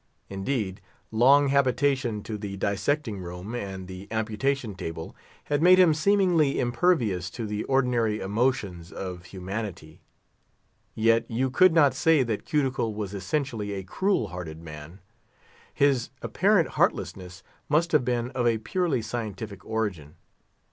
Indeed, long habituation to the dissecting room and the amputation table had made him seemingly impervious to the ordinary emotions of humanity. Yet you could not say that Cuticle was essentially a cruel hearted man. His apparent heartlessness must have been of a purely scientific origin.